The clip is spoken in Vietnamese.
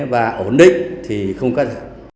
và ổn định thì không cần